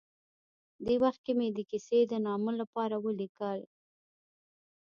دې وخت کې مې د کیسې د نامه لپاره ولیکل.